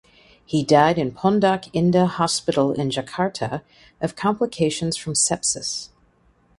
He died in Pondok Indah Hospital in Jakarta of complications from sepsis.